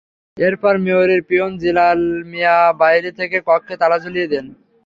এরপর মেয়রের পিয়ন জিলাল মিয়া বাইরে থেকে কক্ষে তালা ঝুলিয়ে দেন।